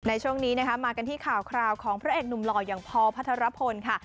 ในช่วงนี้นะคะมากันที่ข่าวคราวของพระเอกหนุ่มหล่ออย่างพอพัทรพลค่ะ